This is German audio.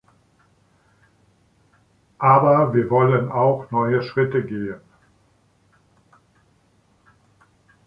Aber wir wollen auch neue Schritte gehen.